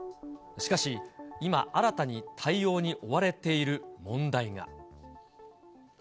しかし、今、新たに対応に追われている問題が。